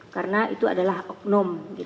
karena itu adalah oknum